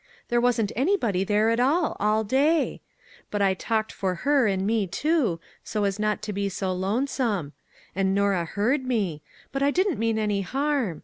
There wasn't anybody there at all, all day. But I talked for her and me, too, so 5* "A GIRL OUT OF A BOOK" as not to be so lonesome ; and Norah heard me ; but I didn't mean any harm.